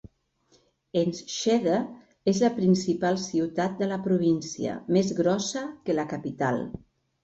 Enschede és la principal ciutat de la província, més grossa que la capital.